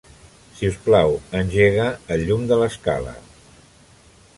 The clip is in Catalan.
Si us plau, engega el llum de l'escala.